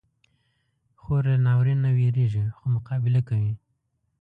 خور له ناورین نه وېریږي، خو مقابله کوي.